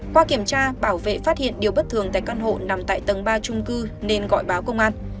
qua kiểm tra bảo vệ phát hiện điều bất thường tại căn hộ nằm tại tầng ba trung cư nên gọi báo công an